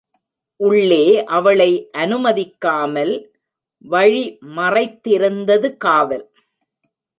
உள்ளே அவளை அனுமதிக்காமல் வழி மறைத்திருந்தது காவல்.